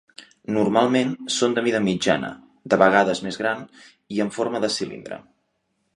Normalment són de mida mitjana, de vegades més grans, i amb forma de cilindre.